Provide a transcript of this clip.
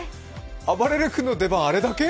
あばれる君の出番、あれだけ？